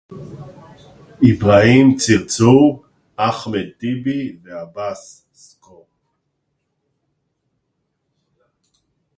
אברהים צרצור, אחמד טיבי ועבאס זכור